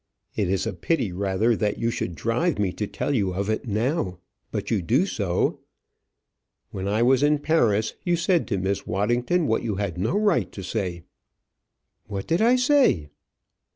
"It is a pity rather that you should drive me to tell you of it now; but you do so. When I was in Paris, you said to Miss Waddington what you had no right to say." "What did I say?"